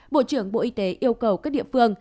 bộ trưởng bộ y tế yêu cầu các địa phương